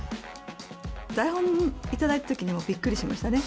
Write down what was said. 台本頂いたときにびっくりしましたね。